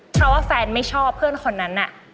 เพราะว่าแฟนไม่ชอบเพื่อนคนนั้นน่ะ